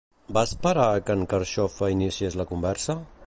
Va esperar que en Carxofa iniciés la conversa?